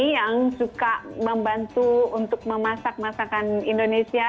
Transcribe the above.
yang suka membantu untuk memasak masakan indonesia